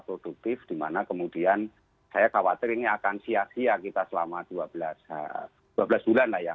produktif dimana kemudian saya khawatir ini akan sia sia kita selama dua belas bulan lah ya